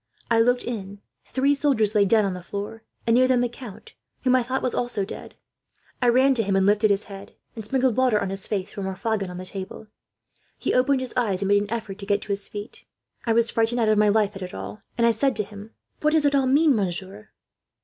I looked in. Three soldiers lay dead on the floor, and near them the count, whom I thought was also dead. I ran to him, and lifted his head, and sprinkled water on his face from a flagon on the table. He opened his eyes, and made an effort to get to his feet. I was frightened out of my life at it all, and I said to him: "'"What does it all mean, monsieur?"